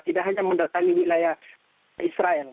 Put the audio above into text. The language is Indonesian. tidak hanya mendatangi wilayah israel